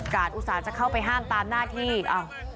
อุตส่าห์จะเข้าไปห้ามตามหน้าที่